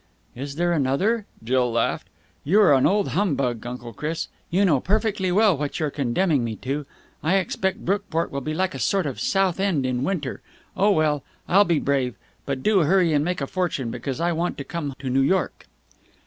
"Is there another?" Jill laughed. "You are an old humbug, Uncle Chris. You know perfectly well what you're condemning me to. I expect Brookport will be like a sort of Southend in winter. Oh, well, I'll be brave. But do hurry and make a fortune, because I want to come to New York."